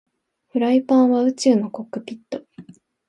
フライパンは宇宙のコックピット